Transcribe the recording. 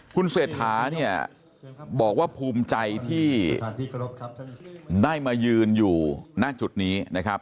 คุณเศรษฐาเนี่ยบอกว่าภูมิใจที่ได้มายืนอยู่หน้าจุดนี้นะครับ